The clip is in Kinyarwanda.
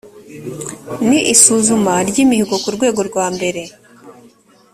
n isuzuma ry imihigo ku rwego rwa mbere